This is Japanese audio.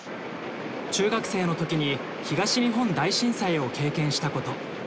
中学生の時に東日本大震災を経験したこと。